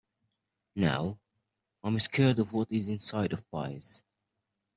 Now, I’m scared of what is inside of pies.